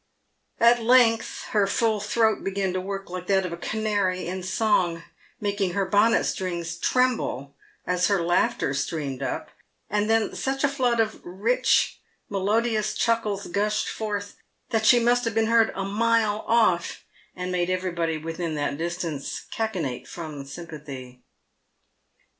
At length her full throat began to work like that of a canary in song, making her bonnet strings tremble as her laughter streamed up, and then such a flood of rich, melodious chuckles gushed forth, that she must have been heard a mile off, and made everybody within that distance cachinnate from sympathy.